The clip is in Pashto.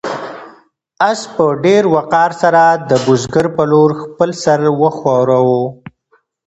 آس په ډېر وقار سره د بزګر په لور خپل سر وښوراوه.